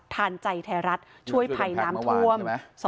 ทานใจไทยรัฐช่วยภัยน้ำท่วม